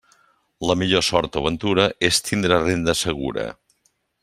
La millor sort o ventura és tindre renda segura.